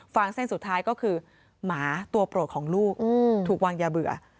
งเส้นสุดท้ายก็คือหมาตัวโปรดของลูกถูกวางยาเบื่อ